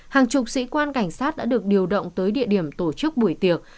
hàng chục sĩ quan cảnh sát đã được điều động tới địa điểm tổ chức buổi tiệc